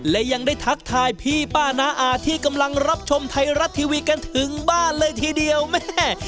และยังได้ทักทายพี่ป้าน้าอาที่กำลังรับชมไทยรัฐทีวีกันถึงบ้านเลยทีเดียวแม่